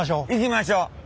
行きましょう。